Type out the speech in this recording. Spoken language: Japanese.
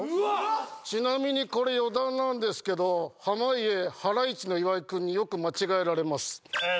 ちなみにこれ余談なんですけど濱家ハライチの岩井君によく間違えられますえー